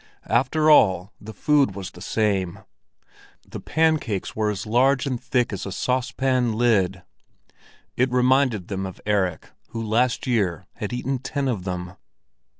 After all, the food was the same. The pancakes were as large and thick as a saucepan lid. It reminded them of Erik, who last year had eaten ten of them.